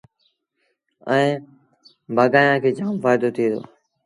ائيٚݩ بآگآيآݩ کي جآم ڦآئيدو ٿئي دو۔